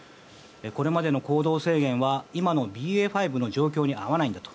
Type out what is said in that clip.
これまでの行動制限は今のＢＡ．５の状況に合わないんだと。